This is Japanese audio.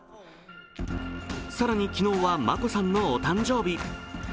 更に昨日は眞子さんのお誕生日。